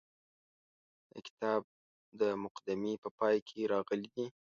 د کتاب د مقدمې په پای کې راغلي دي.